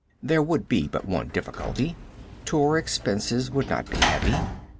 There would be but one difficulty. Tour expenses would not be heavy.